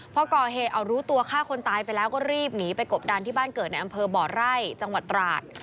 พอก่อเหตุเอารู้ตัวฆ่าคนตายไปแล้วก็รีบหนีไปกบดันที่บ้านเกิดในอำเภอบ่อไร่จังหวัดตราด